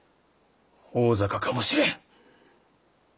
大坂かもしれん。